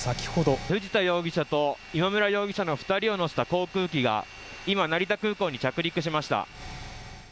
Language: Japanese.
藤田容疑者と今村容疑者の２人を乗せた航空機が今、成田空港に着陸しました。